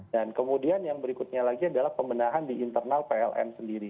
dan kemudian yang berikutnya lagi adalah pembenahan di internal pln sendiri